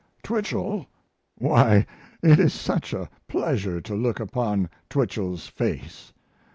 Twichell why, it is such a pleasure to look upon Twichell's face!